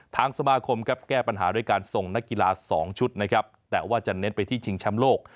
ทางสมาคมก็แก้ปัญหาด้วยการทรงนักกีฬา๒ชุดแต่ว่าจะเน้นไปที่ชิงชำโลก